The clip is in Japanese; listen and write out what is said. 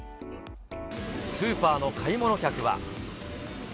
スーパーの買い物客は。